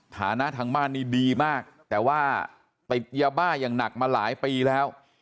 ฐานะทางบ้านนี้ดีมากแต่ว่าติดยาบ้าอย่างหนักมาหลายปีแล้ว